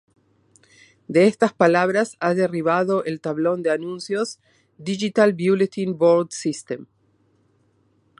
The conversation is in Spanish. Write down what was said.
De estas palabras ha derivado en el tablón de anuncios digital Bulletin Board System.